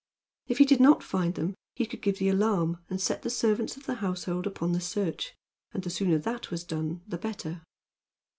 If he did not find them he could give the alarm and set the servants of the household upon the search. And the sooner that was done the better.